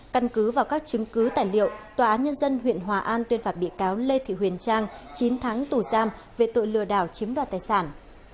căn cứ vào các chứng cứ tài liệu tòa án nhân dân huyện hòa an tuyên phạt bị cáo lê thị huyền trang chín tháng tù giam về tội lừa đảo chiếm đoạt tài sản